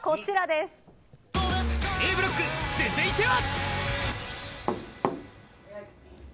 ＡＡブロック、続いては。